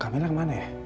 kamilah kemana ya